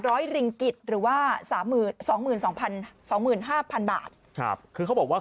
ริงกิจหรือว่าสามหมื่นสองหมื่นสองสองพันสองหมื่นห้าพันบาทครับคือเขาบอกว่า